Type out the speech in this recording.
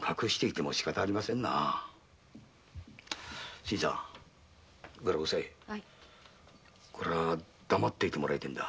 新さんおさいこれは黙っていてもらいてぇんだ。